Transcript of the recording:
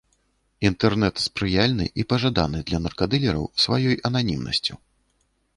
Інтэрнэт спрыяльны і пажаданы для наркадылераў сваёй ананімнасцю.